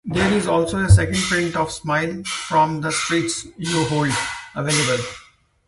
There is also a second print of "Smile from the Streets You Hold" available.